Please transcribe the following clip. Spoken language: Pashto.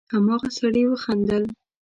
هماغه سړي وخندل: